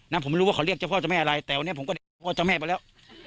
ผมไม่รู้ว่าเขาเรียกเจ้าพ่อเจ้าแม่อะไรแต่วันนี้ผมก็เรียกพ่อเจ้าแม่ไปแล้ว